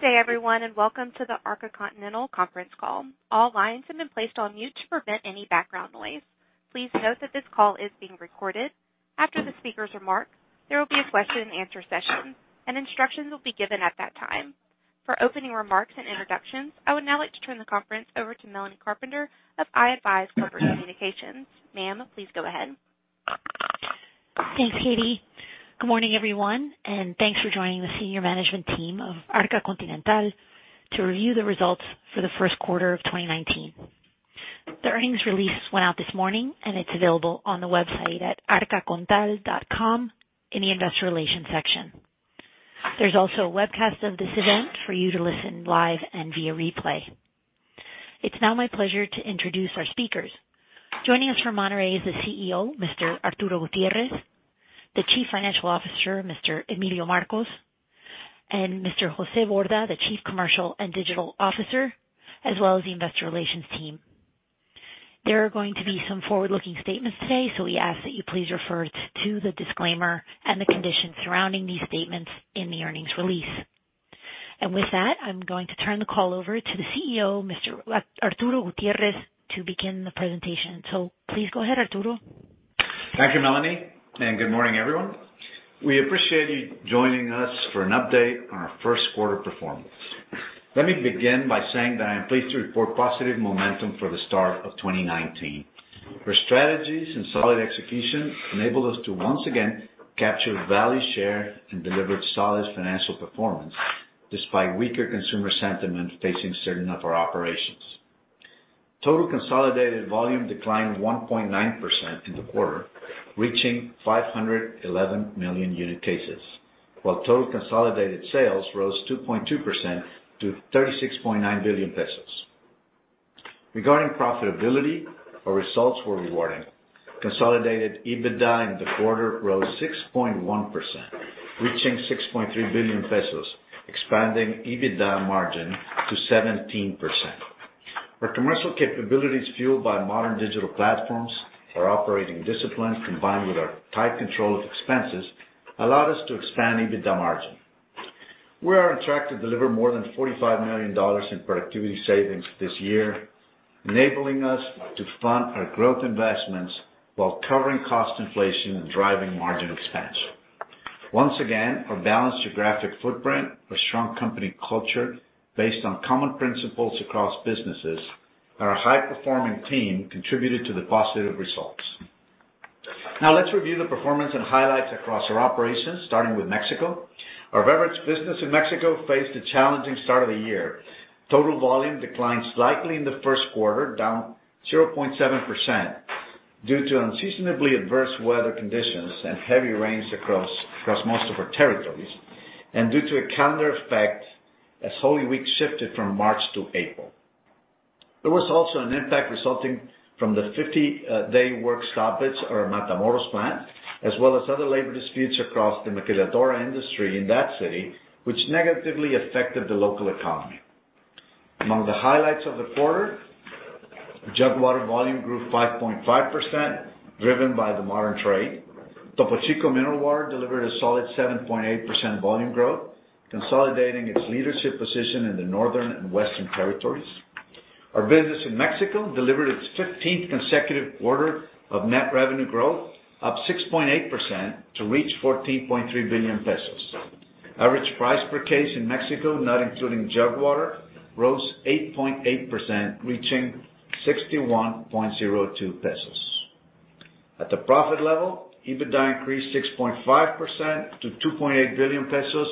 Good day everyone, welcome to the Arca Continental conference call. All lines have been placed on mute to prevent any background noise. Please note that this call is being recorded. After the speaker's remarks, there will be a question and answer session, and instructions will be given at that time. For opening remarks and introductions, I would now like to turn the conference over to Melanie Carpenter of iAdvise Corporate Communications. Ma'am, please go ahead. Thanks, Katie. Good morning, everyone, thanks for joining the senior management team of Arca Continental to review the results for the first quarter of 2019. The earnings release went out this morning, and it's available on the website at arcacontinental.com in the investor relations section. There's also a webcast of this event for you to listen live and via replay. It's now my pleasure to introduce our speakers. Joining us from Monterrey is the CEO, Mr. Arturo Gutiérrez, the Chief Financial Officer, Mr. Emilio Marcos, and Mr. José Borda, the Chief Commercial and Digital Officer, as well as the investor relations team. There are going to be some forward-looking statements today, we ask that you please refer to the disclaimer and the conditions surrounding these statements in the earnings release. With that, I'm going to turn the call over to the CEO, Mr. Arturo Gutiérrez, to begin the presentation. Please go ahead, Arturo. Thank you, Melanie, good morning, everyone. We appreciate you joining us for an update on our first quarter performance. Let me begin by saying that I am pleased to report positive momentum for the start of 2019. Our strategies and solid execution enabled us to once again capture value share and deliver solid financial performance despite weaker consumer sentiment facing certain of our operations. Total consolidated volume declined 1.9% in the quarter, reaching 511 million unit cases, while total consolidated sales rose 2.2% to 36.9 billion pesos. Regarding profitability, our results were rewarding. Consolidated EBITDA in the quarter rose 6.1%, reaching 6.3 billion pesos, expanding EBITDA margin to 17%. Our commercial capabilities, fueled by modern digital platforms, our operating discipline, combined with our tight control of expenses, allowed us to expand EBITDA margin. We are on track to deliver more than MXN 45 million in productivity savings this year, enabling us to fund our growth investments while covering cost inflation and driving margin expansion. Once again, our balanced geographic footprint, our strong company culture based on common principles across businesses, and our high-performing team contributed to the positive results. Now let's review the performance and highlights across our operations, starting with Mexico. Our beverage business in Mexico faced a challenging start of the year. Total volume declined slightly in the first quarter, down 0.7%, due to unseasonably adverse weather conditions and heavy rains across most of our territories, and due to a calendar effect as Holy Week shifted from March to April. There was also an impact resulting from the 50-day work stoppage at our Matamoros plant, as well as other labor disputes across the Maquiladora industry in that city, which negatively affected the local economy. Among the highlights of the quarter, jug water volume grew 5.5%, driven by the modern trade. Topo Chico mineral water delivered a solid 7.8% volume growth, consolidating its leadership position in the northern and western territories. Our business in Mexico delivered its 15th consecutive quarter of net revenue growth, up 6.8% to reach 14.3 billion pesos. Average price per case in Mexico, not including jug water, rose 8.8%, reaching 61.02 pesos. At the profit level, EBITDA increased 6.5% to 2.8 billion pesos,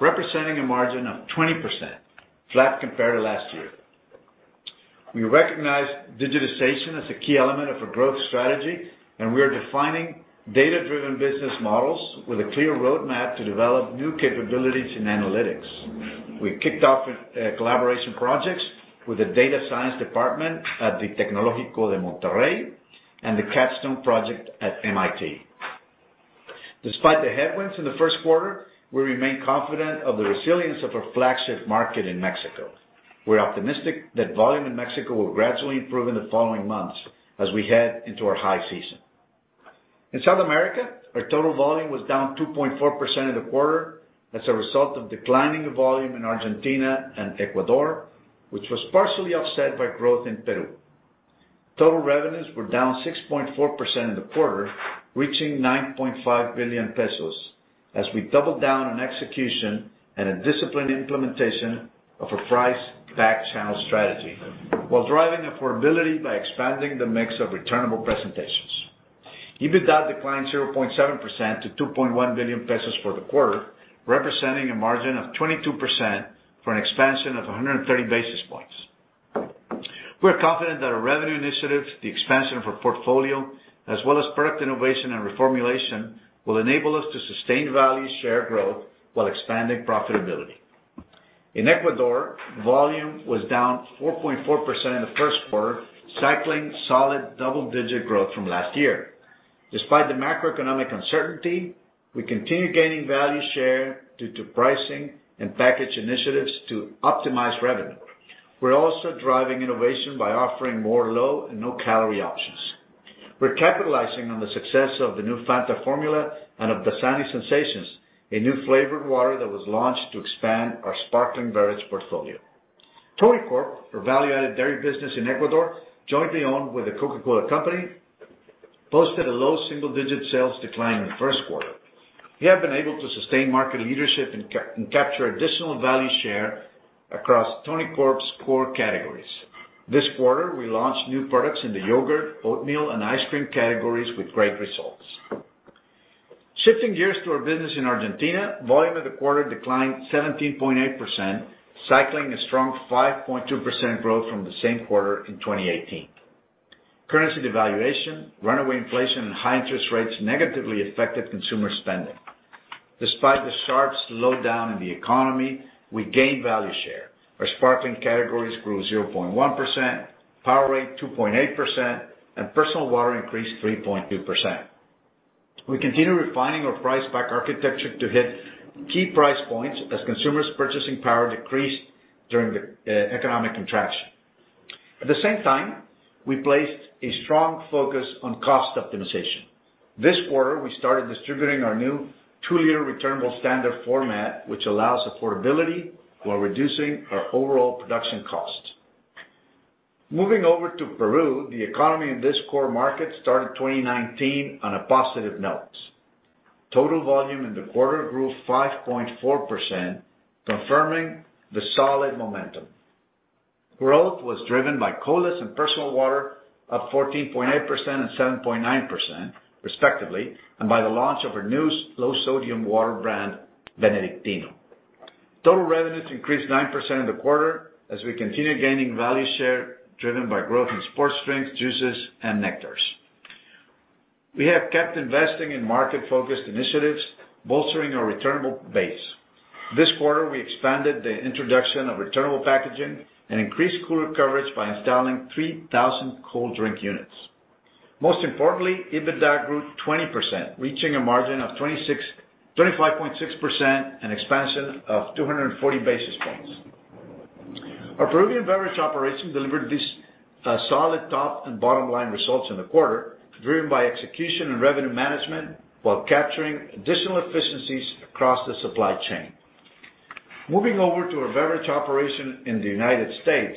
representing a margin of 20%, flat compared to last year. We recognize digitization as a key element of our growth strategy. We are defining data-driven business models with a clear roadmap to develop new capabilities in analytics. We kicked off collaboration projects with the data science department at the Tecnológico de Monterrey and the capstone project at MIT. Despite the headwinds in the first quarter, we remain confident of the resilience of our flagship market in Mexico. We're optimistic that volume in Mexico will gradually improve in the following months as we head into our high season. In South America, our total volume was down 2.4% in the quarter as a result of declining volume in Argentina and Ecuador, which was partially offset by growth in Peru. Total revenues were down 6.4% in the quarter, reaching 9.5 billion pesos as we doubled down on execution and a disciplined implementation of our price pack channel strategy while driving affordability by expanding the mix of returnable presentations. EBITDA declined 0.7% to 2.1 billion pesos for the quarter, representing a margin of 22% for an expansion of 130 basis points. We are confident that our revenue initiatives, the expansion of our portfolio, as well as product innovation and reformulation, will enable us to sustain value share growth while expanding profitability. In Ecuador, volume was down 4.4% in the first quarter, cycling solid double-digit growth from last year. Despite the macroeconomic uncertainty, we continue gaining value share due to pricing and package initiatives to optimize revenue. We're also driving innovation by offering more low and no-calorie options. We're capitalizing on the success of the new Fanta formula and of Dasani Sensations, a new flavored water that was launched to expand our sparkling beverage portfolio. Tonicorp, our value-added dairy business in Ecuador, jointly owned with The Coca-Cola Company, posted a low single-digit sales decline in the first quarter. We have been able to sustain market leadership and capture additional value share across Tonicorp's core categories. This quarter, we launched new products in the yogurt, oatmeal, and ice cream categories with great results. Shifting gears to our business in Argentina, volume of the quarter declined 17.8%, cycling a strong 5.2% growth from the same quarter in 2018. Currency devaluation, runaway inflation, and high interest rates negatively affected consumer spending. Despite the sharp slowdown in the economy, we gained value share. Our sparkling categories grew 0.1%, Powerade 2.8%, and personal water increased 3.2%. We continue refining our price pack architecture to hit key price points as consumers' purchasing power decreased during the economic contraction. At the same time, we placed a strong focus on cost optimization. This quarter, we started distributing our new 2-liter returnable standard format, which allows affordability while reducing our overall production cost. Moving over to Peru, the economy in this core market started 2019 on a positive note. Total volume in the quarter grew 5.4%, confirming the solid momentum. Growth was driven by colas and personal water, up 14.8% and 7.9% respectively, and by the launch of our new low-sodium water brand, Benedictino. Total revenues increased 9% in the quarter as we continue gaining value share, driven by growth in sports drinks, juices, and nectars. We have kept investing in market-focused initiatives, bolstering our returnable base. This quarter, we expanded the introduction of returnable packaging and increased cooler coverage by installing 3,000 cold drink units. Most importantly, EBITDA grew 20%, reaching a margin of 25.6% and expansion of 240 basis points. Our Peruvian beverage operation delivered these solid top and bottom-line results in the quarter, driven by execution and revenue management while capturing additional efficiencies across the supply chain. Moving over to our beverage operation in the U.S.,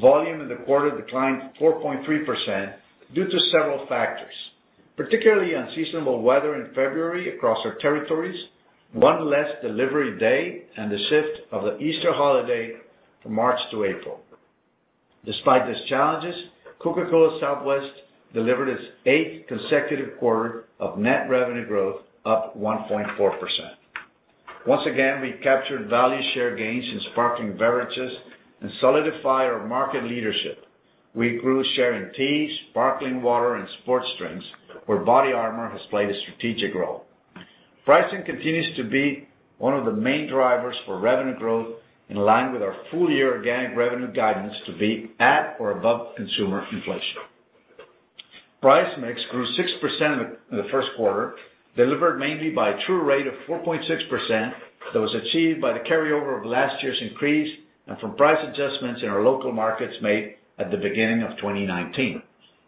volume in the quarter declined 4.3% due to several factors, particularly unseasonable weather in February across our territories, one less delivery day, and the shift of the Easter holiday from March to April. Despite these challenges, Coca-Cola Southwest delivered its eighth consecutive quarter of net revenue growth, up 1.4%. Once again, we captured value share gains in sparkling beverages and solidify our market leadership. We grew share in tea, sparkling water, and sports drinks, where BODYARMOR has played a strategic role. Pricing continues to be one of the main drivers for revenue growth, in line with our full-year organic revenue guidance to be at or above consumer inflation. Price mix grew 6% in the first quarter, delivered mainly by a true rate of 4.6% that was achieved by the carryover of last year's increase and from price adjustments in our local markets made at the beginning of 2019.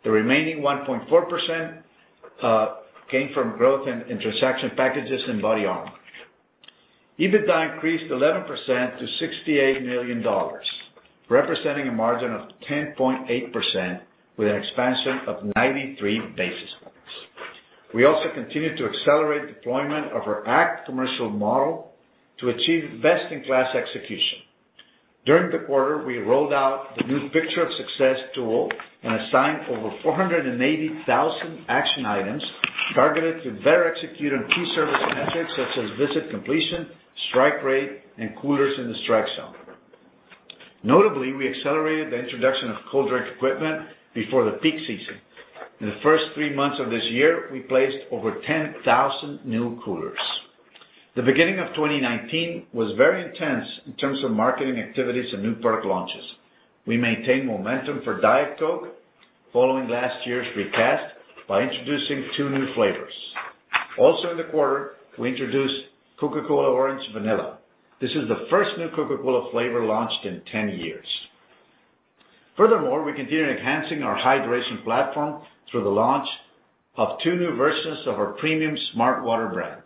The remaining 1.4% came from growth in transaction packages in BODYARMOR. EBITDA increased 11% to $68 million, representing a margin of 10.8% with an expansion of 93 basis points. We also continued to accelerate deployment of our ACT commercial model to achieve best-in-class execution. During the quarter, we rolled out the new Picture of Success tool and assigned over 480,000 action items targeted to better execute on key service metrics such as visit completion, strike rate, and coolers in the strike zone. Notably, we accelerated the introduction of cold drink equipment before the peak season. In the first three months of this year, we placed over 10,000 new coolers. The beginning of 2019 was very intense in terms of marketing activities and new product launches. We maintained momentum for Diet Coke following last year's recast by introducing two new flavors. In the quarter, we introduced Coca-Cola Orange Vanilla. This is the first new Coca-Cola flavor launched in 10 years. Furthermore, we continue enhancing our hydration platform through the launch of two new versions of our premium smartwater brand.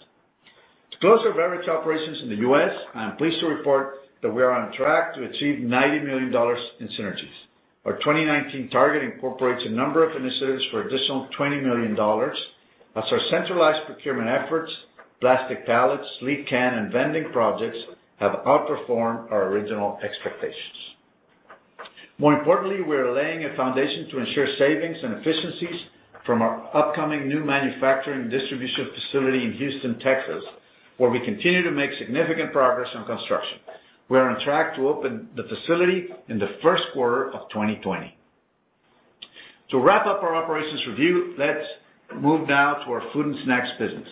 To close our beverage operations in the U.S., I am pleased to report that we are on track to achieve $90 million in synergies. Our 2019 target incorporates a number of initiatives for additional $20 million as our centralized procurement efforts, plastic pallets, lead can, and vending projects have outperformed our original expectations. More importantly, we are laying a foundation to ensure savings and efficiencies from our upcoming new manufacturing distribution facility in Houston, Texas, where we continue to make significant progress on construction. We are on track to open the facility in the first quarter of 2020. To wrap up our operations review, let's move now to our food and snacks business.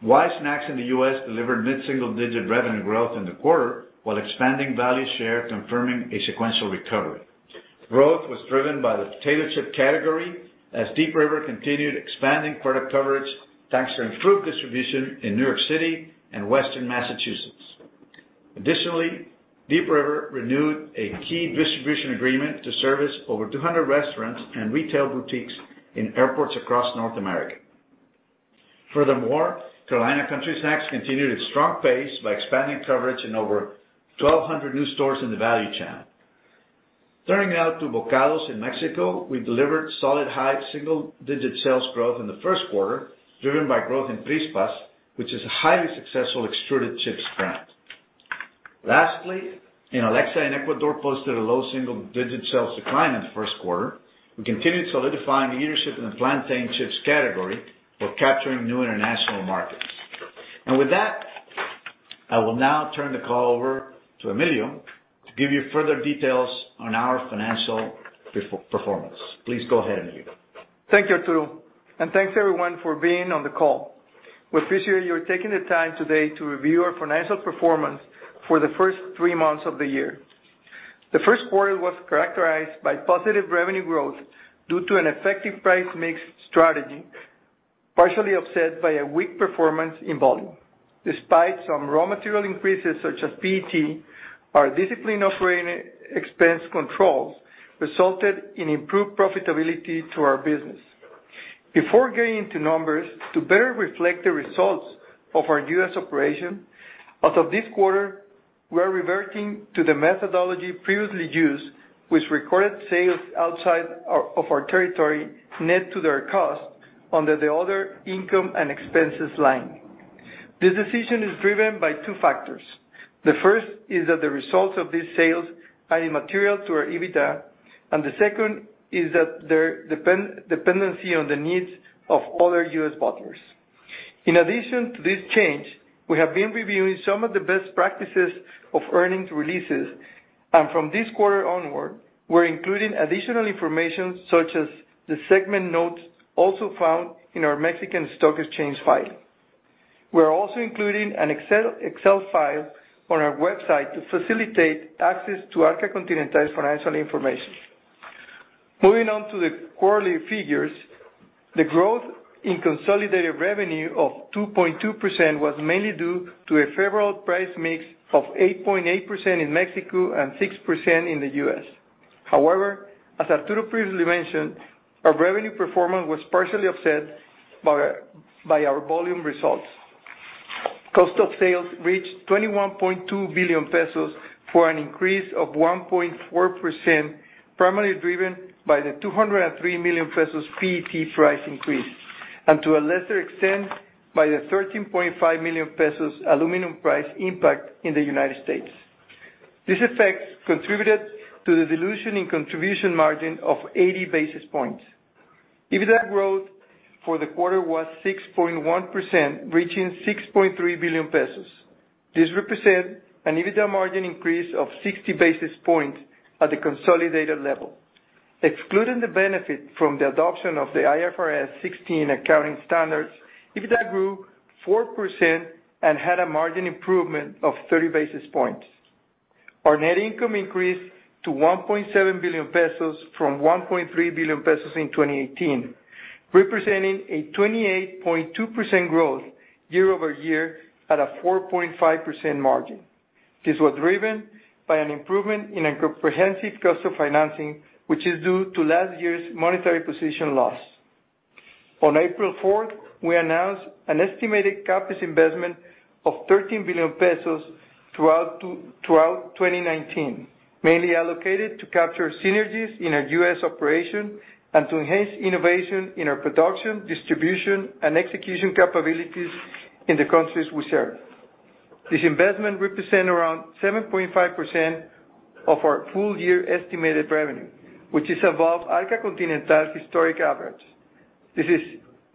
Wise Foods in the U.S. delivered mid-single-digit revenue growth in the quarter while expanding value share, confirming a sequential recovery. Growth was driven by the potato chip category as Deep River continued expanding product coverage thanks to improved distribution in New York City and Western Massachusetts. Additionally, Deep River renewed a key distribution agreement to service over 200 restaurants and retail boutiques in airports across North America. Furthermore, Carolina Country Snacks continued its strong pace by expanding coverage in over 1,200 new stores in the value channel. Turning now to Bokados in Mexico, we delivered solid high single-digit sales growth in the first quarter, driven by growth in Trisapas, which is a highly successful extruded chips brand. Lastly, Inalecsa in Ecuador posted a low single-digit sales decline in the first quarter. We continued solidifying leadership in the plantain chips category while capturing new international markets. With that, I will now turn the call over to Emilio to give you further details on our financial performance. Please go ahead, Emilio. Thank you, Arturo. Thanks everyone for being on the call. We appreciate you taking the time today to review our financial performance for the first three months of the year. The first quarter was characterized by positive revenue growth due to an effective price mix strategy, partially offset by a weak performance in volume. Despite some raw material increases such as PET, our disciplined operating expense controls resulted in improved profitability to our business. Before getting into numbers, to better reflect the results of our U.S. operation, as of this quarter, we are reverting to the methodology previously used, with recorded sales outside of our territory net to their cost under the other income and expenses line. This decision is driven by two factors. The first is that the results of these sales are immaterial to our EBITDA. The second is that their dependency on the needs of other U.S. bottlers. In addition to this change, we have been reviewing some of the best practices of earnings releases. From this quarter onward, we're including additional information, such as the segment notes also found in our Mexican Stock Exchange filing. We're also including an Excel file on our website to facilitate access to Arca Continental's financial information. Moving on to the quarterly figures, the growth in consolidated revenue of 2.2% was mainly due to a favorable price mix of 8.8% in Mexico and 6% in the U.S. However, as Arturo previously mentioned, our revenue performance was partially offset by our volume results. Cost of sales reached 21.2 billion pesos for an increase of 1.4%, primarily driven by the 203 million pesos PET price increase. To a lesser extent, by the 13.5 million pesos aluminum price impact in the U.S. These effects contributed to the dilution in contribution margin of 80 basis points. EBITDA growth for the quarter was 6.1%, reaching 6.3 billion pesos. This represents an EBITDA margin increase of 60 basis points at the consolidated level. Excluding the benefit from the adoption of the IFRS 16 accounting standards, EBITDA grew 4% and had a margin improvement of 30 basis points. Our net income increased to 1.7 billion pesos from 1.3 billion pesos in 2018, representing a 28.2% growth year-over-year at a 4.5% margin. This was driven by an improvement in our comprehensive cost of financing, which is due to last year's monetary position loss. On April 4th, we announced an estimated CapEx investment of 13 billion pesos throughout 2019, mainly allocated to capture synergies in our U.S. operation and to enhance innovation in our production, distribution, and execution capabilities in the countries we serve. This investment represents around 7.5% of our full-year estimated revenue, which is above Arca Continental's historic average. This is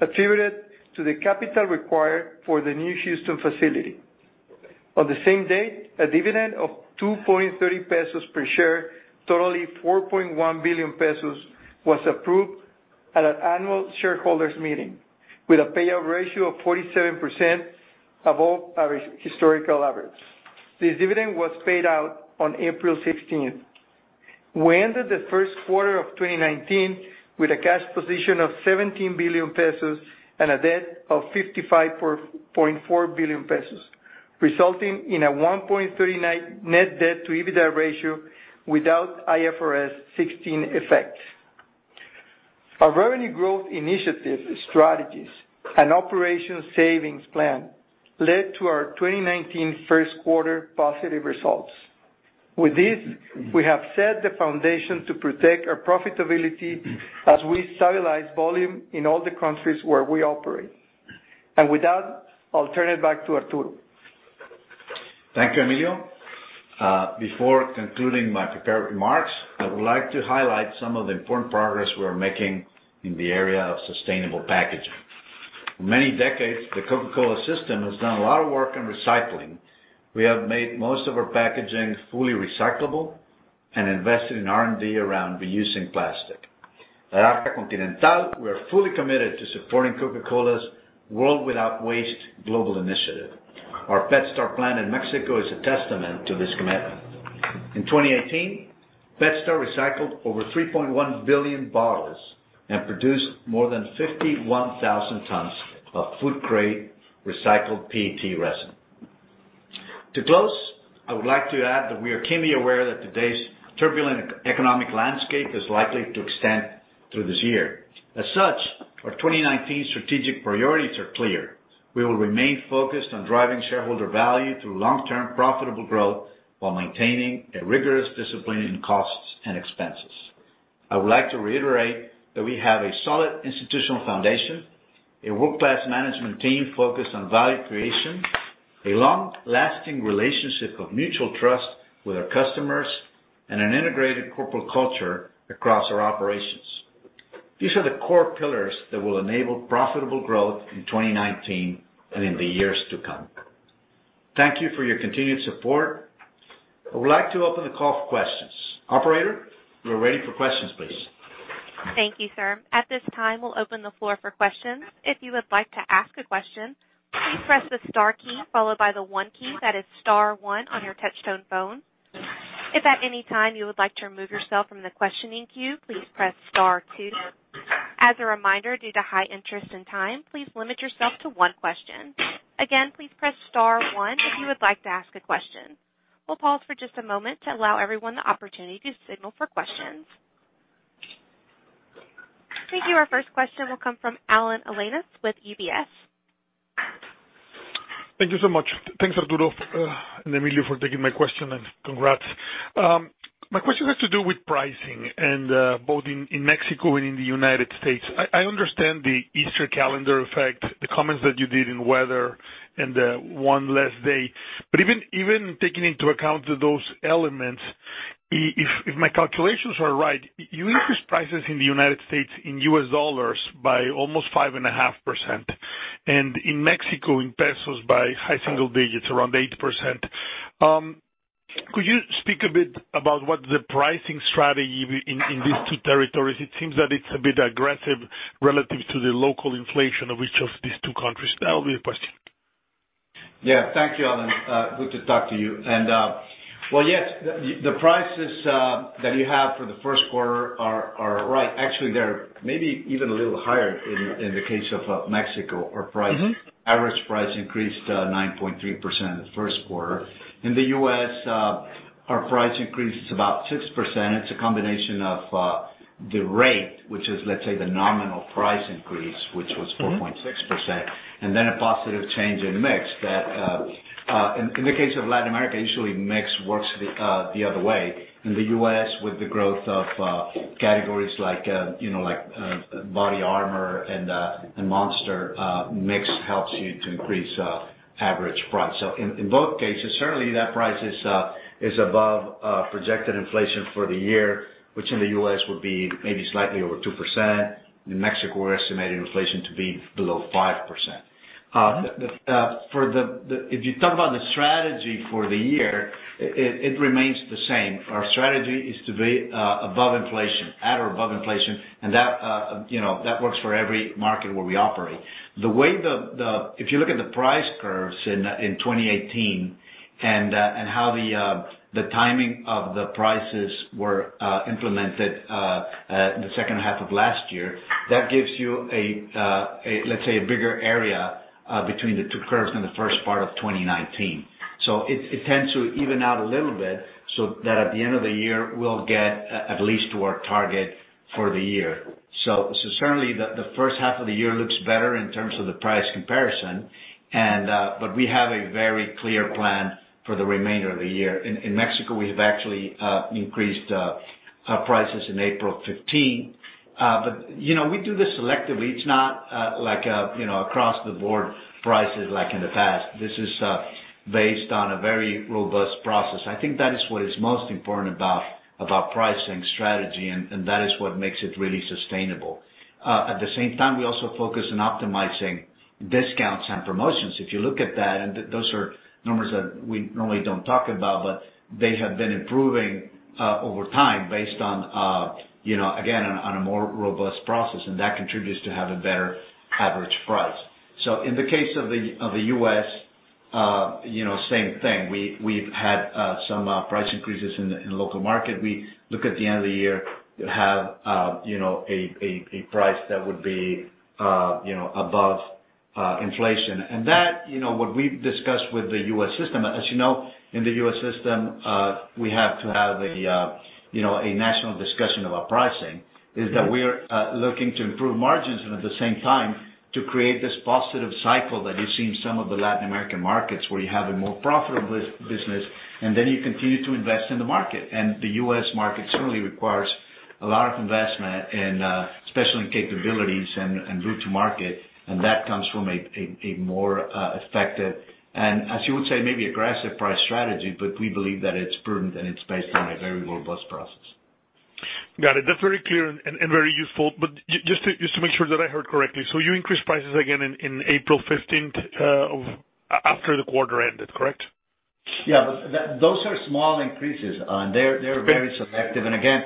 attributed to the capital required for the new Houston facility. On the same day, a dividend of 2.30 pesos per share, totaling 4.1 billion pesos, was approved at an annual shareholders' meeting with a payout ratio of 47%, above our historical average. This dividend was paid out on April 16th. We ended the first quarter of 2019 with a cash position of 17 billion pesos and a debt of 55.4 billion pesos, resulting in a 1.39 net debt to EBITDA ratio without IFRS 16 effects. Our revenue growth initiative strategies and operation savings plan led to our 2019 first quarter positive results. With this, we have set the foundation to protect our profitability as we stabilize volume in all the countries where we operate. With that, I'll turn it back to Arturo. Thank you, Emilio. Before concluding my prepared remarks, I would like to highlight some of the important progress we are making in the area of sustainable packaging. For many decades, the Coca-Cola system has done a lot of work in recycling. We have made most of our packaging fully recyclable and invested in R&D around reusing plastic. At Arca Continental, we are fully committed to supporting Coca-Cola's World Without Waste global initiative. Our PetStar plant in Mexico is a testament to this commitment. In 2018, PetStar recycled over 3.1 billion bottles and produced more than 51,000 tons of food-grade recycled PET resin. To close, I would like to add that we are keenly aware that today's turbulent economic landscape is likely to extend through this year. As such, our 2019 strategic priorities are clear. We will remain focused on driving shareholder value through long-term profitable growth while maintaining a rigorous discipline in costs and expenses. I would like to reiterate that we have a solid institutional foundation, a world-class management team focused on value creation, a long-lasting relationship of mutual trust with our customers, and an integrated corporate culture across our operations. These are the core pillars that will enable profitable growth in 2019 and in the years to come. Thank you for your continued support. I would like to open the call for questions. Operator, we're ready for questions, please. Thank you, sir. At this time, we'll open the floor for questions. If you would like to ask a question, please press the star key followed by the one key, that is star one on your touchtone phone. If at any time you would like to remove yourself from the questioning queue, please press star two. As a reminder, due to high interest and time, please limit yourself to one question. Again, please press star one if you would like to ask a question. We'll pause for just a moment to allow everyone the opportunity to signal for questions. Thank you. Our first question will come from Alan Alanis with UBS. Thank you so much. Thanks, Arturo and Emilio, for taking my question, and congrats. My question has to do with pricing and both in Mexico and in the U.S. I understand the Easter calendar effect, the comments that you did in weather, and the one less day. Even taking into account those elements, if my calculations are right, you increased prices in the U.S. in US dollars by almost 5.5%, and in Mexico in pesos by high single digits, around 8%. Could you speak a bit about what the pricing strategy in these two territories? It seems that it's a bit aggressive relative to the local inflation of each of these two countries. That would be the question. Thank you, Alan. Good to talk to you. Well, yes, the prices that you have for the first quarter are right. Actually, they're maybe even a little higher in the case of Mexico. Our average price increased 9.3% in the first quarter. In the U.S., our price increase is about 6%. It's a combination of the rate, which is, let's say, the nominal price increase, which was 4.6%, and then a positive change in mix. In the case of Latin America, usually mix works the other way. In the U.S., with the growth of categories like BODYARMOR and Monster, mix helps you to increase average price. In both cases, certainly that price is above projected inflation for the year, which in the U.S. would be maybe slightly over 2%. In Mexico, we're estimating inflation to be below 5%. If you talk about the strategy for the year, it remains the same. Our strategy is to be above inflation, at or above inflation, that works for every market where we operate. If you look at the price curves in 2018 and how the timing of the prices were implemented in the second half of last year, that gives you, let's say, a bigger area between the two curves in the first part of 2019. It tends to even out a little bit, that at the end of the year, we'll get at least to our target for the year. Certainly, the first half of the year looks better in terms of the price comparison, but we have a very clear plan for the remainder of the year. In Mexico, we have actually increased our prices in April 15. We do this selectively. It's not like across-the-board prices like in the past. This is based on a very robust process. I think that is what is most important about pricing strategy, that is what makes it really sustainable. At the same time, we also focus on optimizing discounts and promotions. If you look at that, those are numbers that we normally don't talk about, but they have been improving over time based on, again, on a more robust process, that contributes to have a better average price. In the case of the U.S., same thing. We've had some price increases in local market. We look at the end of the year to have a price that would be above inflation. That, what we've discussed with the U.S. system, as you know, in the U.S. system, we have to have a national discussion about pricing, is that we are looking to improve margins. At the same time, to create this positive cycle that you see in some of the Latin American markets where you have a more profitable business, then you continue to invest in the market. The U.S. market certainly requires a lot of investment, especially in capabilities and route to market, that comes from a more effective, as you would say, maybe aggressive price strategy, but we believe that it's prudent and it's based on a very robust process. Got it. That's very clear and very useful. Just to make sure that I heard correctly, you increased prices again in April 15th, after the quarter ended, correct? Yeah. Those are small increases, Alan. They're very selective. Again,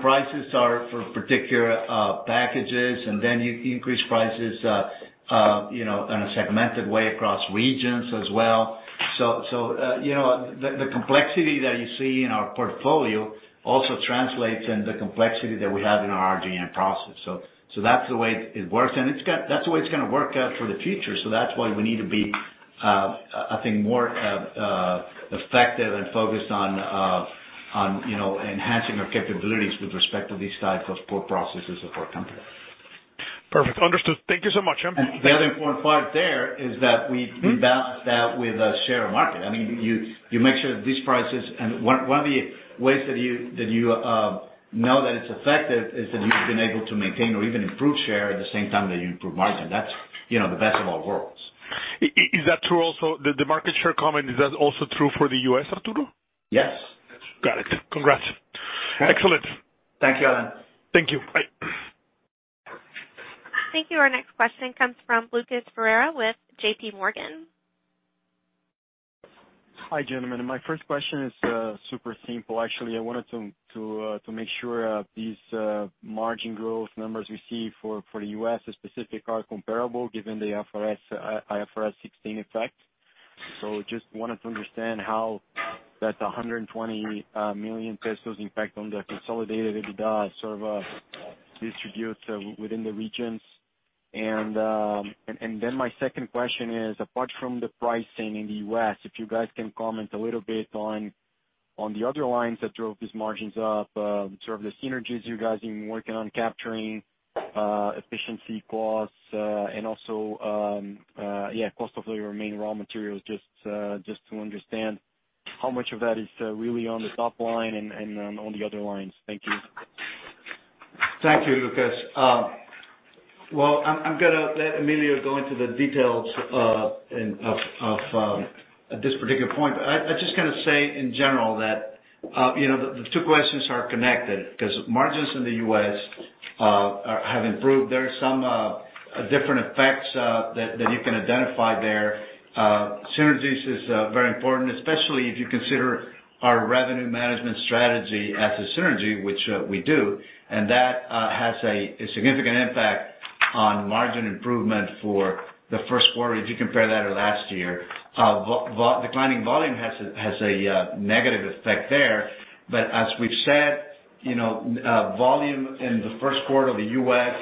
prices are for particular packages, and then you increase prices in a segmented way across regions as well. The complexity that you see in our portfolio also translates in the complexity that we have in our RGM process. That's the way it works, and that's the way it's going to work out for the future. That's why we need to be, I think, more effective and focused on enhancing our capabilities with respect to these types of core processes of our company. Perfect. Understood. Thank you so much. The other important part there is that we balance that with a share of market. You make sure that these prices, and one of the ways that you know that it's effective is that you've been able to maintain or even improve share at the same time that you improve margin. That's the best of all worlds. Is that true also, the market share comment, is that also true for the U.S., Arturo? Yes. Got it. Congrats. Excellent. Thank you, Alan. Thank you. Bye. Thank you. Our next question comes from Lucas Ferreira with J.P. Morgan. Hi, gentlemen. My first question is super simple, actually. I wanted to make sure these margin growth numbers you see for the U.S. specifically are comparable given the IFRS 16 effect. Just wanted to understand how that 120 million pesos impact on the consolidated EBITDA sort of distributes within the regions. My second question is, apart from the pricing in the U.S., if you guys can comment a little bit on the other lines that drove these margins up, sort of the synergies you guys have been working on capturing, efficiency costs, and also cost of your main raw materials, just to understand how much of that is really on the top line and on the other lines. Thank you. Thank you, Lucas. I'm gonna let Emilio go into the details of this particular point. I'm just gonna say in general that the two questions are connected. Margins in the U.S. have improved. There are some different effects that you can identify there. Synergies is very important, especially if you consider our revenue management strategy as a synergy, which we do. That has a significant impact on margin improvement for the first quarter, if you compare that to last year. Declining volume has a negative effect there. As we've said, volume in the first quarter of the U.S.,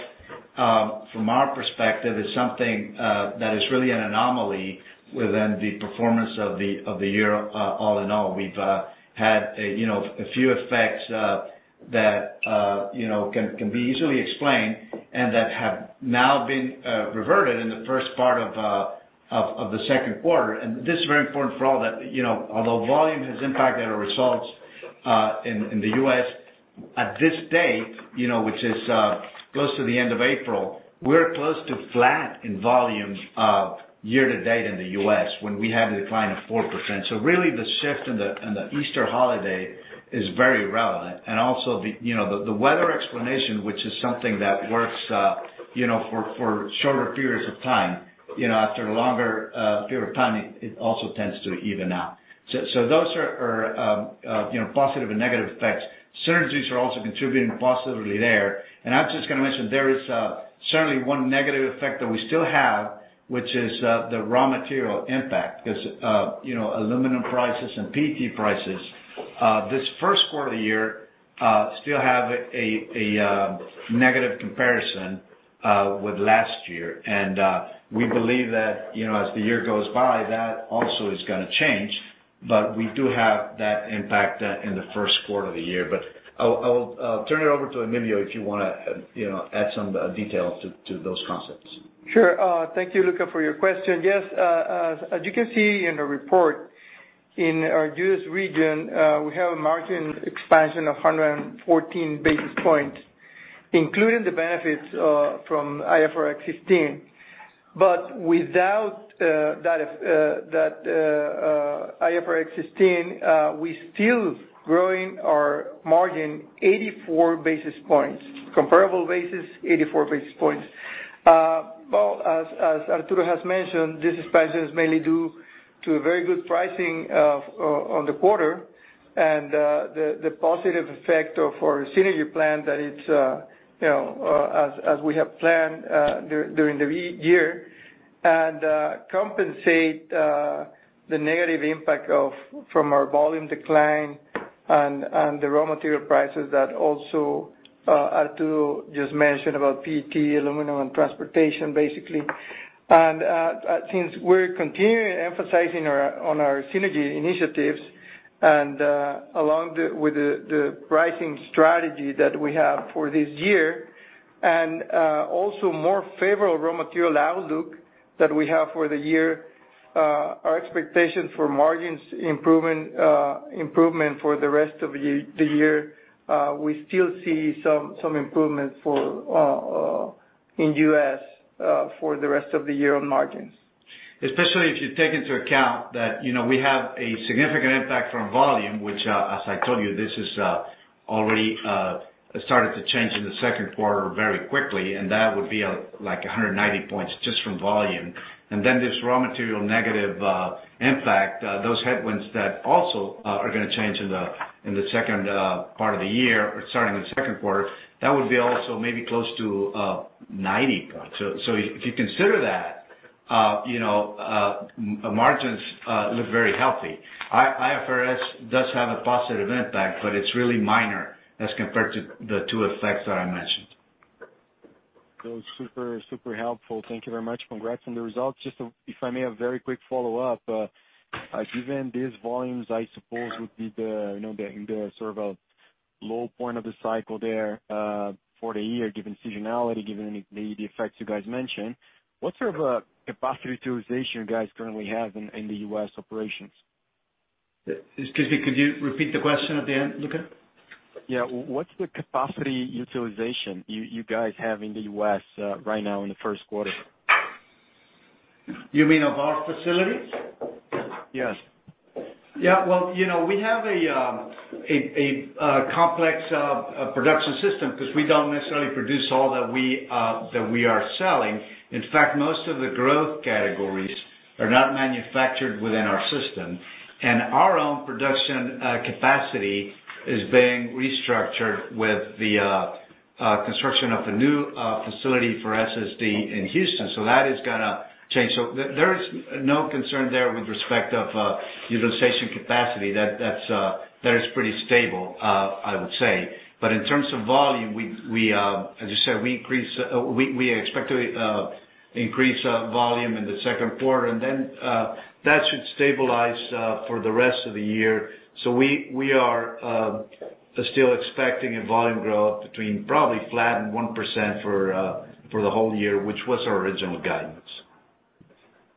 from our perspective, is something that is really an anomaly within the performance of the year all in all. We've had a few effects that can be easily explained and that have now been reverted in the first part of the second quarter. This is very important for all that although volume has impacted our results in the U.S., at this date, which goes to the end of April, we're close to flat in volume year-to-date in the U.S. when we had a decline of 4%. Really the shift in the Easter holiday is very relevant. Also the weather explanation, which is something that works for shorter periods of time. After a longer period of time, it also tends to even out. Those are positive and negative effects. Synergies are also contributing positively there. I'm just gonna mention, there is certainly one negative effect that we still have, which is the raw material impact, because aluminum prices and PET prices this first quarter of the year still have a negative comparison with last year. We believe that as the year goes by, that also is going to change. We do have that impact in the first quarter of the year. I'll turn it over to Emilio, if you want to add some details to those concepts. Sure. Thank you, Lucas, for your question. Yes, as you can see in the report, in our U.S. region, we have a margin expansion of 114 basis points, including the benefits from IFRS 16. Without that IFRS 16, we're still growing our margin 84 basis points. Comparable basis, 84 basis points. Well, as Arturo has mentioned, this expansion is mainly due to a very good pricing on the quarter and the positive effect of our synergy plan that it's, as we have planned during the year, and compensate the negative impact from our volume decline and the raw material prices that also Arturo just mentioned about PET, aluminum, and transportation, basically. Since we're continuing emphasizing on our synergy initiatives and along with the pricing strategy that we have for this year, also more favorable raw material outlook that we have for the year, our expectation for margins improvement for the rest of the year, we still see some improvement in U.S. for the rest of the year on margins. Especially if you take into account that we have a significant impact from volume, which, as I told you, this is already started to change in the second quarter very quickly, that would be like 190 points just from volume. This raw material negative impact, those headwinds that also are going to change in the second part of the year or starting in the second quarter, that would be also maybe close to 90 points. If you consider that, the margins look very healthy. IFRS does have a positive impact, but it's really minor as compared to the two effects that I mentioned. That's super helpful. Thank you very much. Congrats on the results. Just if I may, a very quick follow-up. Given these volumes, I suppose would be the sort of a low point of the cycle there for the year, given seasonality, given maybe the effects you guys mentioned. What sort of a capacity utilization you guys currently have in the U.S. operations? Excuse me, could you repeat the question at the end, Lucas? Yeah. What's the capacity utilization you guys have in the U.S. right now in the first quarter? You mean of our facilities? Yes. Yeah. Well, we have a complex production system because we don't necessarily produce all that we are selling. In fact, most of the growth categories are not manufactured within our system. Our own production capacity is being restructured with the construction of a new facility for CSD in Houston. That is going to change. There is no concern there with respect of utilization capacity. That is pretty stable, I would say. In terms of volume, as I said, we expect to increase volume in the second quarter, and then that should stabilize for the rest of the year. We are still expecting a volume growth between probably flat and 1% for the whole year, which was our original guidance.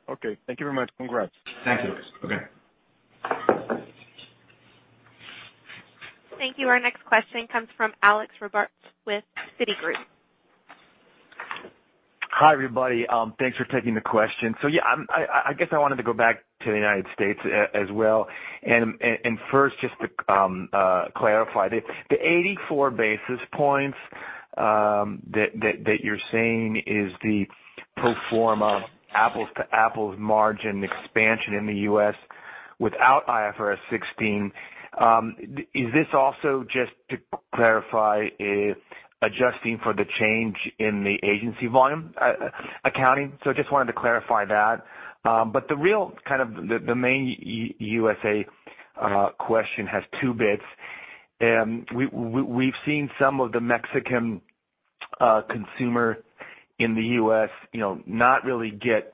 Okay. Thank you very much. Congrats. Thank you. Okay. Thank you. Our next question comes from Alexander Robarts with Citigroup. Hi, everybody. Thanks for taking the question. Yeah, I guess I wanted to go back to the U.S. as well. First, just to clarify, the 84 basis points that you're saying is the pro forma apples-to-apples margin expansion in the U.S. without IFRS 16. Is this also, just to clarify, adjusting for the change in the agency volume accounting? Just wanted to clarify that. The main U.S.A. question has two bits. We've seen some of the Mexican consumer in the U.S. not really get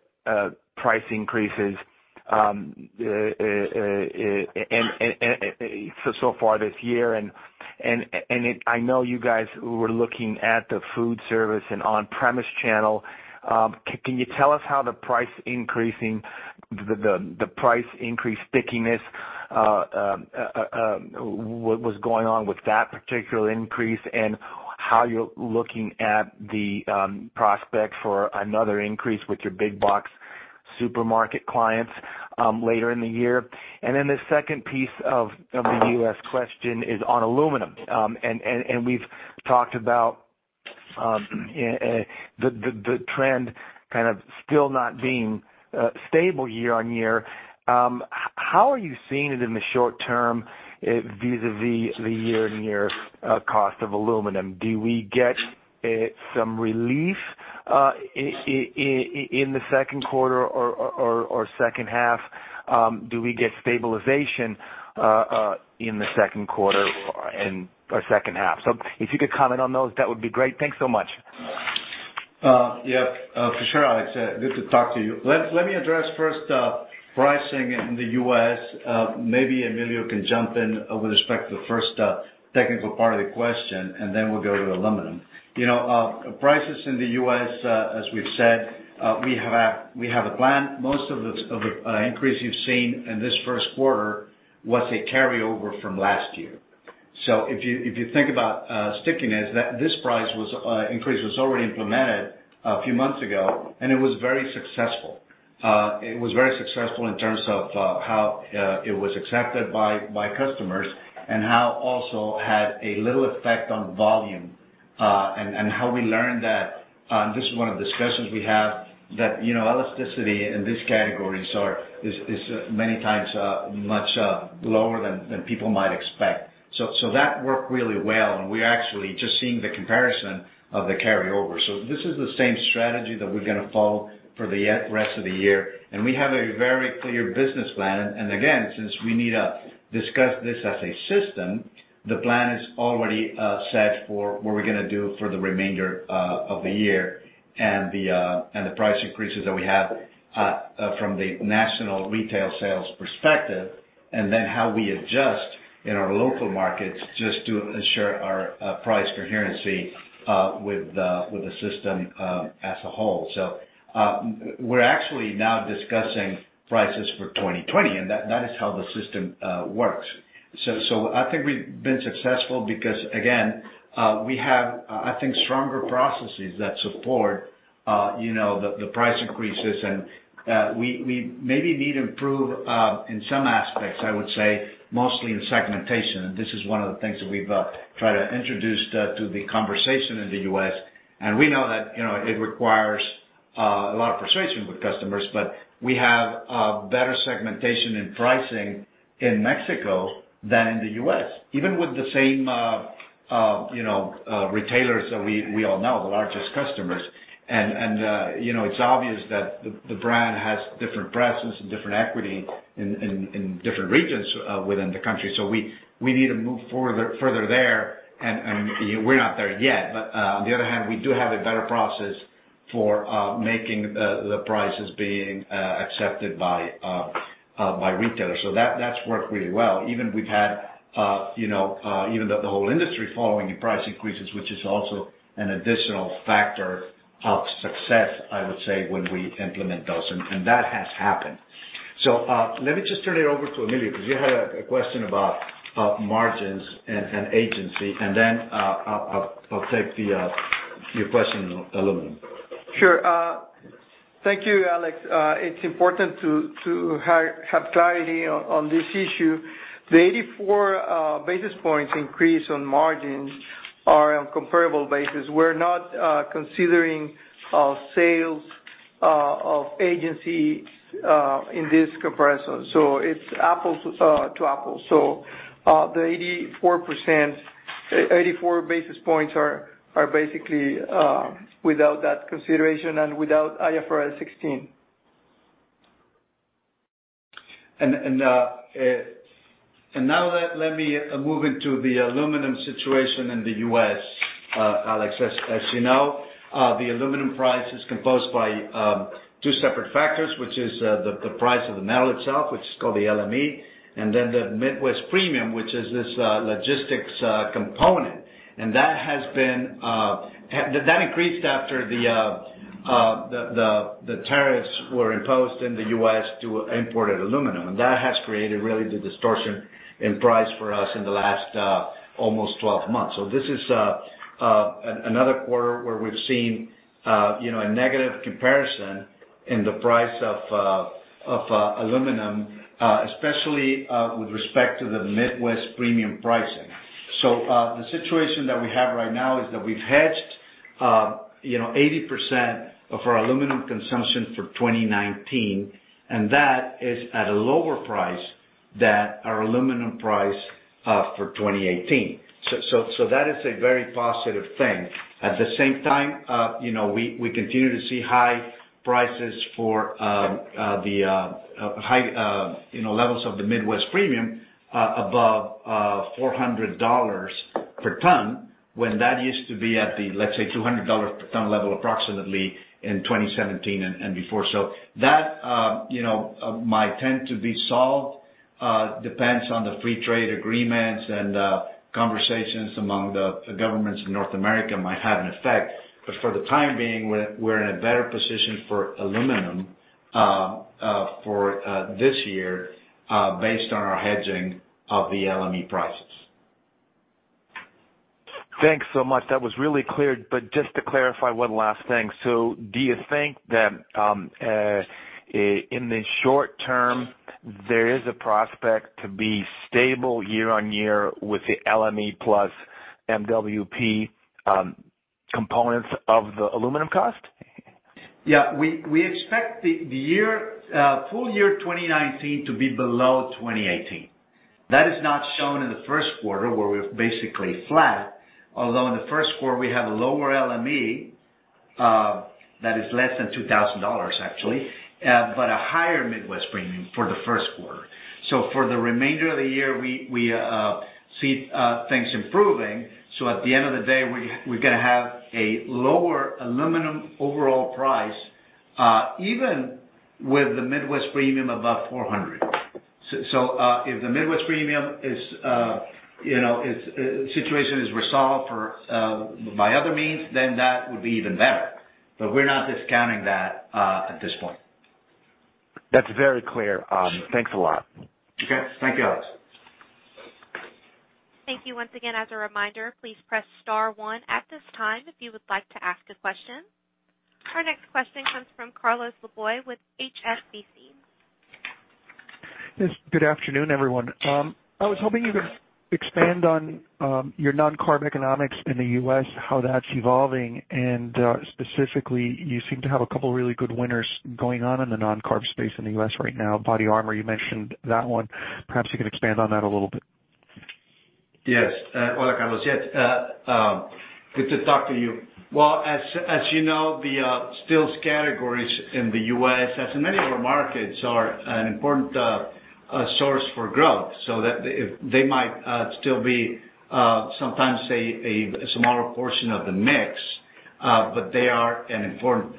price increases so far this year, and I know you guys were looking at the food service and on-premise channel. Can you tell us how the price increase stickiness, what was going on with that particular increase, and how you're looking at the prospect for another increase with your big box supermarket clients later in the year? Then the second piece of the U.S. question is on aluminum. We've talked about the trend kind of still not being stable year-over-year. How are you seeing it in the short term vis-à-vis the year-over-year cost of aluminum? Do we get some relief in the second quarter or second half? Do we get stabilization in the second quarter or in our second half? If you could comment on those, that would be great. Thanks so much. Yeah, for sure, Alex. Good to talk to you. Let me address first pricing in the U.S. Maybe Emilio can jump in with respect to the first technical part of the question, and then we'll go to aluminum. Prices in the U.S., as we've said, we have a plan. Most of the increase you've seen in this first quarter was a carryover from last year. If you think about stickiness, this price increase was already implemented a few months ago, and it was very successful. It was very successful in terms of how it was accepted by customers, and how also had a little effect on volume. How we learned that, and this is one of the discussions we have, that elasticity in these categories is many times much lower than people might expect. That worked really well, and we actually just seeing the comparison of the carryover. This is the same strategy that we're going to follow for the rest of the year, and we have a very clear business plan. Again, since we need to discuss this as a system, the plan is already set for what we're going to do for the remainder of the year and the price increases that we have from the national retail sales perspective, and then how we adjust in our local markets just to ensure our price coherency with the system as a whole. We're actually now discussing prices for 2020, and that is how the system works. I think we've been successful because, again, we have, I think, stronger processes that support the price increases, and we maybe need to improve, in some aspects, I would say, mostly in segmentation. This is one of the things that we've tried to introduce to the conversation in the U.S., and we know that it requires a lot of persuasion with customers, we have better segmentation in pricing in Mexico than in the U.S. Even with the same- retailers that we all know, the largest customers. It's obvious that the brand has different presence and different equity in different regions within the country. We need to move further there, and we're not there yet. On the other hand, we do have a better process for making the prices being accepted by retailers. That's worked really well. Even the whole industry following the price increases, which is also an additional factor of success, I would say, when we implement those, and that has happened. Let me just turn it over to Emilio because you had a question about margins and agency, and then I'll take your question, aluminum. Sure. Thank you, Alex. It's important to have clarity on this issue. The 84 basis points increase on margins are on comparable basis. We're not considering sales of agency in this comparison, it's apples to apples. The 84 basis points are basically without that consideration and without IFRS 16. Now let me move into the aluminum situation in the U.S. Alex, as you know, the aluminum price is composed by two separate factors, which is the price of the metal itself, which is called the LME, and then the Midwest premium, which is this logistics component. That increased after the tariffs were imposed in the U.S. to imported aluminum, that has created really the distortion in price for us in the last almost 12 months. This is another quarter where we've seen a negative comparison in the price of aluminum, especially with respect to the Midwest premium pricing. The situation that we have right now is that we've hedged 80% of our aluminum consumption for 2019, that is at a lower price than our aluminum price for 2018. That is a very positive thing. At the same time, we continue to see high prices for the high levels of the Midwest premium above $400 per ton, when that used to be at the, let's say, $200 per ton level approximately in 2017 and before. That might tend to be solved, depends on the free trade agreements and conversations among the governments of North America might have an effect. For the time being, we're in a better position for aluminum for this year based on our hedging of the LME prices. Thanks so much. That was really clear. Just to clarify one last thing. Do you think that in the short term, there is a prospect to be stable year-on-year with the LME plus MWP components of the aluminum cost? Yeah, we expect the full year 2019 to be below 2018. That is not shown in the first quarter where we're basically flat. Although in the first quarter we have a lower LME, that is less than $2,000 actually, but a higher Midwest premium for the first quarter. For the remainder of the year, we see things improving. At the end of the day, we're gonna have a lower aluminum overall price, even with the Midwest premium above $400. If the Midwest premium situation is resolved by other means, then that would be even better. We're not discounting that at this point. That's very clear. Sure. Thanks a lot. Okay. Thank you, Alex. Thank you once again. As a reminder, please press star one at this time if you would like to ask a question. Our next question comes from Carlos Laboy with HSBC. Yes, good afternoon, everyone. I was hoping you could expand on your non-carb economics in the U.S., how that's evolving. Specifically, you seem to have a couple really good winners going on in the non-carb space in the U.S. right now. BODYARMOR, you mentioned that one. Perhaps you can expand on that a little bit. Yes. Hola, Carlos. Yes, good to talk to you. As you know, the still categories in the U.S., as in many other markets, are an important source for growth. They might still be sometimes, say, a smaller portion of the mix. They are an important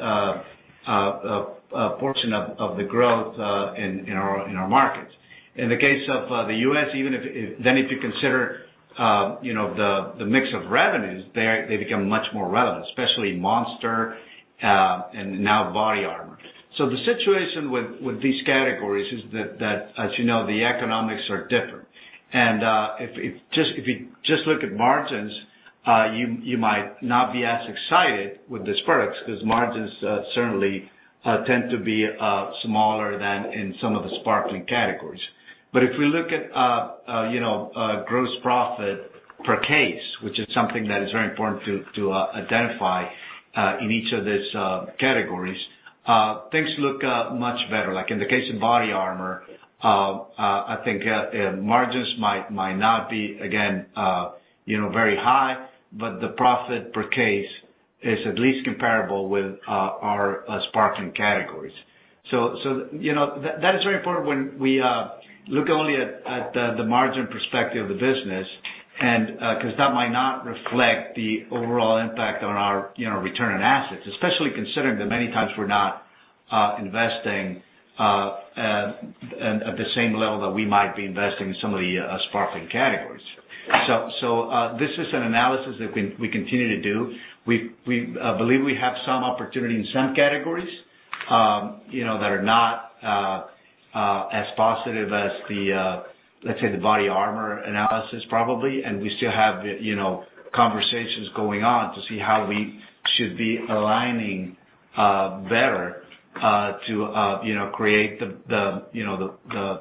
portion of the growth in our markets. In the case of the U.S., if you consider the mix of revenues there, they become much more relevant, especially Monster, and now BODYARMOR. The situation with these categories is that, as you know, the economics are different. If you just look at margins, you might not be as excited with these products, because margins certainly tend to be smaller than in some of the sparkling categories. If we look at gross profit per case, which is something that is very important to identify in each of these categories, things look much better. Like in the case of BODYARMOR, I think margins might not be, again, very high, but the profit per case is at least comparable with our sparkling categories. That is very important when we look only at the margin perspective of the business, because that might not reflect the overall impact on our return on assets, especially considering that many times we're not investing at the same level that we might be investing in some of the sparkling categories. This is an analysis that we continue to do. We believe we have some opportunity in some categories that are not as positive as, let's say, the BODYARMOR analysis, probably, and we still have conversations going on to see how we should be aligning better to create the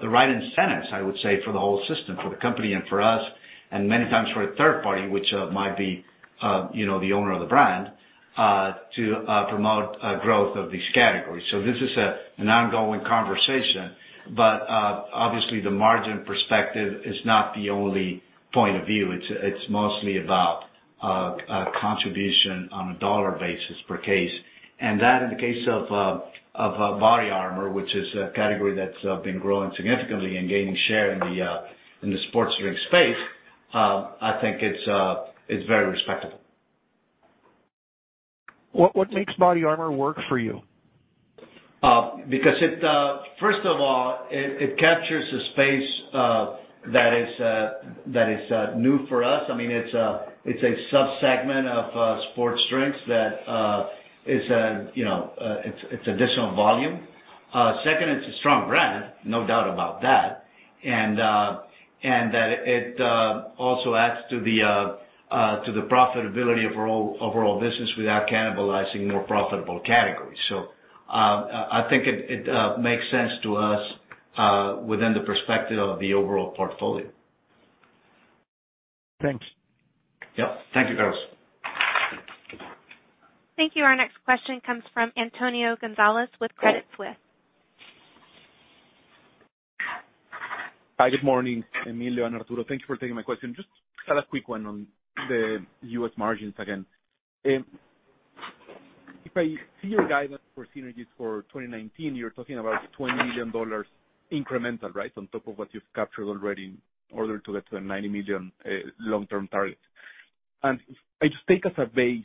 right incentives, I would say, for the whole system, for the company and for us, and many times for a third party, which might be the owner of the brand, to promote growth of these categories. This is an ongoing conversation. Obviously the margin perspective is not the only point of view. It's mostly about contribution on a dollar basis per case. And that in the case of BODYARMOR, which is a category that's been growing significantly and gaining share in the sports drink space, I think it's very respectable. What makes BODYARMOR work for you? First of all, it captures a space that is new for us. It's a sub-segment of sports drinks that is additional volume. Second, it's a strong brand, no doubt about that. And that it also adds to the profitability of our overall business without cannibalizing more profitable categories. I think it makes sense to us within the perspective of the overall portfolio. Thanks. Yep. Thank you, Carlos. Thank you. Our next question comes from Antonio Gonzalez with Credit Suisse. Hi, good morning, Emilio and Arturo. Thank you for taking my question. Just had a quick one on the U.S. margins again. If I see your guidance for synergies for 2019, you're talking about $20 million incremental, right? On top of what you've captured already in order to get to the $90 million long-term target. If I just take as a base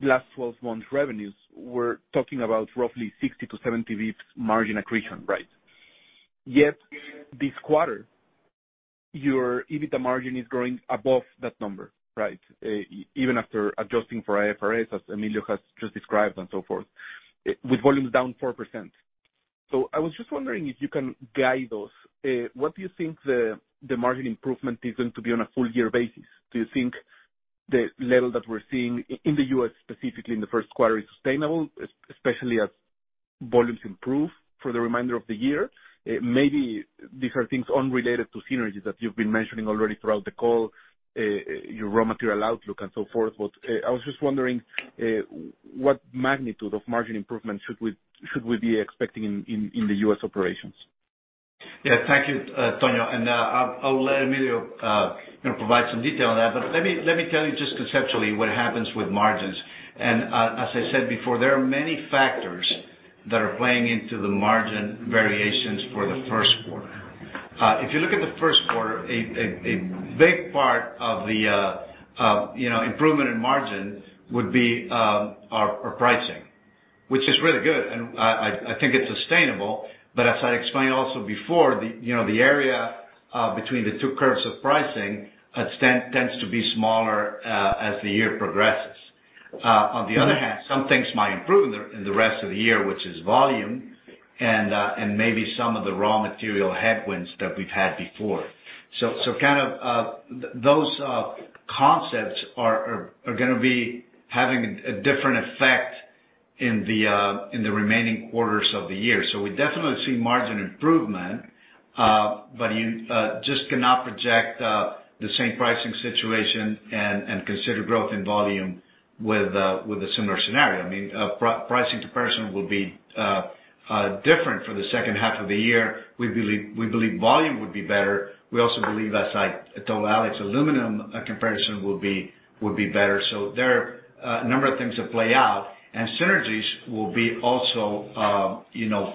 last 12 months revenues, we're talking about roughly 60-70 basis points margin accretion, right? This quarter, your EBITDA margin is growing above that number, right? Even after adjusting for IFRS, as Emilio has just described and so forth, with volumes down 4%. I was just wondering if you can guide us. What do you think the margin improvement is going to be on a full year basis? Do you think the level that we're seeing, in the U.S. specifically, in the first quarter is sustainable, especially as volumes improve for the remainder of the year? Maybe these are things unrelated to synergies that you've been mentioning already throughout the call, your raw material outlook and so forth. I was just wondering what magnitude of margin improvement should we be expecting in the U.S. operations? Thank you, Antonio, I'll let Emilio provide some detail on that. Let me tell you just conceptually what happens with margins. As I said before, there are many factors that are playing into the margin variations for the first quarter. If you look at the first quarter, a big part of the improvement in margin would be our pricing, which is really good, and I think it's sustainable. As I explained also before, the area between the two curves of pricing tends to be smaller as the year progresses. On the other hand, some things might improve in the rest of the year, which is volume and maybe some of the raw material headwinds that we've had before. Those concepts are going to be having a different effect in the remaining quarters of the year. We definitely see margin improvement, you just cannot project the same pricing situation and consider growth in volume with a similar scenario. Pricing to person will be different for the second half of the year. We believe volume would be better. We also believe, as I told Alex, aluminum comparison would be better. There are a number of things that play out, and synergies will be also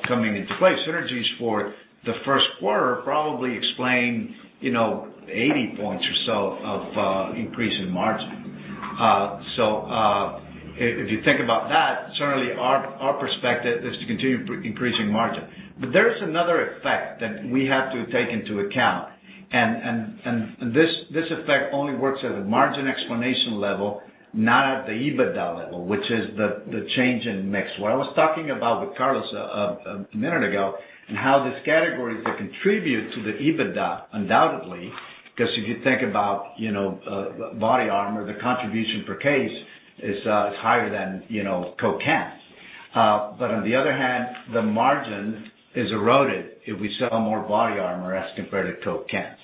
coming into play. Synergies for the first quarter probably explain 80 points or so of increase in margin. If you think about that, certainly our perspective is to continue increasing margin. There is another effect that we have to take into account, and this effect only works at the margin explanation level, not at the EBITDA level, which is the change in mix. What I was talking about with Carlos a minute ago, how these categories that contribute to the EBITDA, undoubtedly, because if you think about BODYARMOR, the contribution per case is higher than Coke cans. On the other hand, the margin is eroded if we sell more BODYARMOR as compared to Coke cans.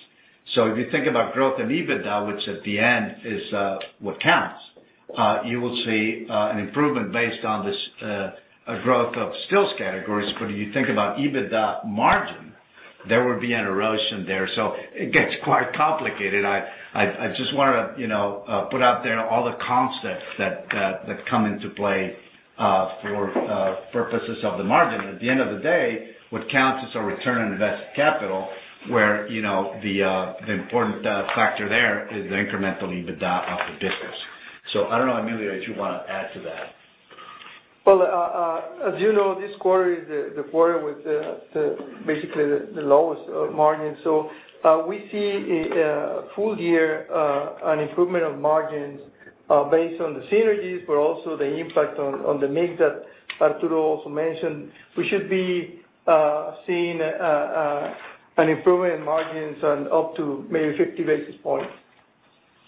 If you think about growth in EBITDA, which at the end is what counts, you will see an improvement based on this growth of stills categories. If you think about EBITDA margin, there would be an erosion there. It gets quite complicated. I just want to put out there all the concepts that come into play for purposes of the margin. At the end of the day, what counts is our return on invested capital, where the important factor there is the incremental EBITDA of the business. I don't know, Emilio, if you want to add to that. Well, as you know, this quarter is the quarter with basically the lowest margin. We see a full year on improvement of margins based on the synergies, but also the impact on the mix that Arturo also mentioned. We should be seeing an improvement in margins on up to maybe 50 basis points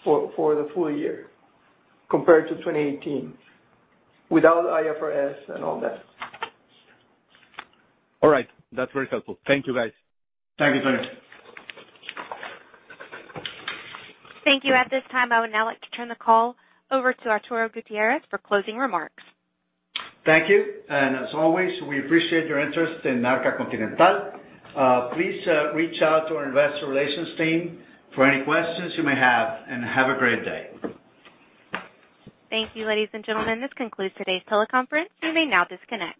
for the full year compared to 2018 without IFRS and all that. All right. That's very helpful. Thank you, guys. Thank you, Antonio. Thank you. At this time, I would now like to turn the call over to Arturo Gutiérrez for closing remarks. Thank you. As always, we appreciate your interest in Arca Continental. Please reach out to our investor relations team for any questions you may have, and have a great day. Thank you, ladies and gentlemen. This concludes today's teleconference. You may now disconnect.